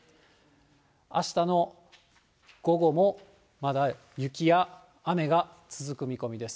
あしたの午後もまだ雪が雨が続く見込みです。